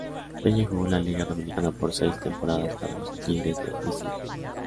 Peña jugó en la Liga Dominicana por seis temporadas para los Tigres del Licey.